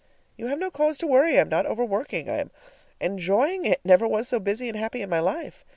You have no cause to worry. I am not overworking. I am enjoying it; never was so busy and happy in my life.